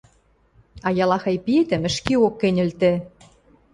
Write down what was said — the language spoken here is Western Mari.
А ялахай пиэтӹм ӹшкеок кӹньӹлтӹ.